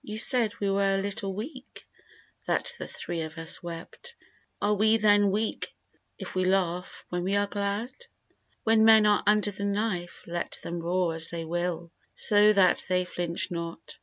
You said we were a little weak that the three of us wept, Are we then weak if we laugh when we are glad? When men are under the knife let them roar as they will, So that they flinch not.